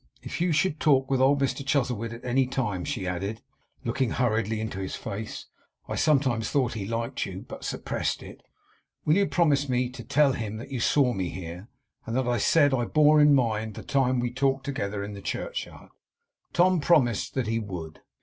If you should talk with old Mr Chuzzlewit, at any time,' she added, looking hurriedly into his face 'I sometimes thought he liked you, but suppressed it will you promise me to tell him that you saw me here, and that I said I bore in mind the time we talked together in the churchyard?' Tom promised that he would.